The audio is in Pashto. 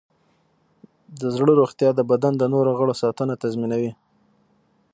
د زړه روغتیا د بدن د نور غړو ساتنه تضمینوي.